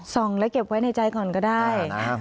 ส่งแล้วเก็บไว้ในใจก่อนก็ได้